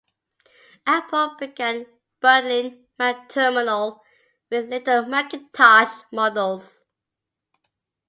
Apple began bundling MacTerminal with later Macintosh models.